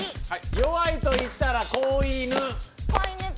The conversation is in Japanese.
弱いといったら子犬。